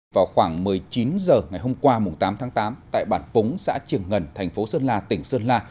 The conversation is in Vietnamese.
vào khoảng một mươi chín h ngày hôm qua tám tháng tám tại bản púng xã trường ngần thành phố sơn la tỉnh sơn la